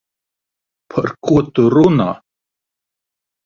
Par ko tu runā?